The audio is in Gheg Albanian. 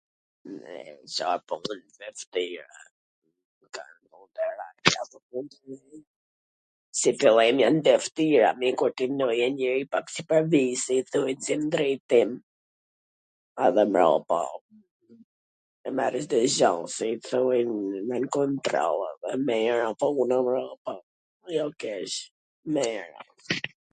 ..... Si fillim jan t veshtira, a mir kur ti kje njeri pak i padit si i thon, ...,